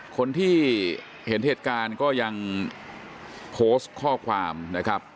คนที่เห็นเหตุการณ์ก็ยังโพสต์ข้อความนะครับ